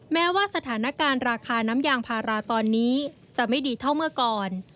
แม้ว่าสถานการณ์ราคาน้ำยางพาราตอนนี้จะไม่ดีเท่าเมื่อก่อน